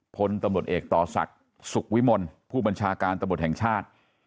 พลตำรวจเอกต่อศักดิ์สุขวิมลผู้บัญชาการตำรวจแห่งชาติ